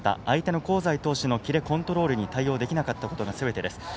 相手の香西投手のキレコントロールに対応できなかったことがすべてです。